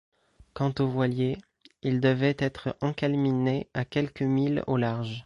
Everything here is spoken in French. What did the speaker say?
Quant aux voiliers, ils devaient être encalminés à quelques milles au large.